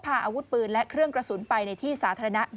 ตัวคุณไปทำอะไรตังสึง